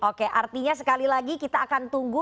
oke artinya sekali lagi kita akan tunggu